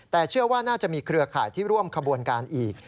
แต่เชื่อว่าน่าจะมีเครือข่ายที่ร่วมขบวนการอีก